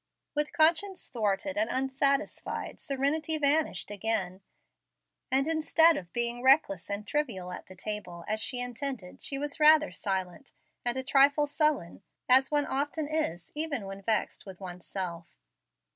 With conscience thwarted and unsatisfied, serenity vanished again, and instead of being reckless and trivial at the table, as she intended, she was rather silent, and a trifle sullen, as one often is even when vexed with one's self.